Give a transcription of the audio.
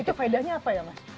itu faedahnya apa ya mas